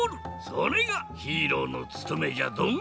それがヒーローのつとめじゃドン！